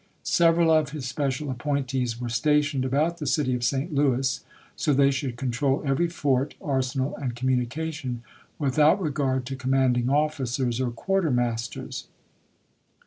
Several of his special appointees were stationed about the city of St. Louis, " so they should control every fort, arsenal, and communication, without LincoiS regard to commanding officers or quartermasters." ''^ks.